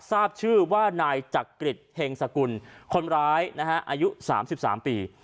ทราบชื่อว่านายจักริจเฮงสกุลคนร้ายนะฮะอายุ๓๓ปี